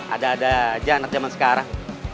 ada ada aja anak zaman sekarang